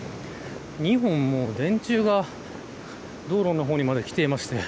２本電柱が道路の方にまで来ていまして